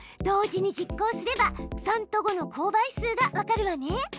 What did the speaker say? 同時に実行すれば３と５の公倍数が分かるわね！